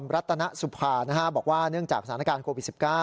รัตนสุภาบอกว่าเนื่องจากสถานการณ์โควิด๑๙